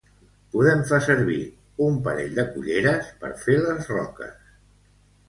Podem fer servir un parell de culleres per fer les roques.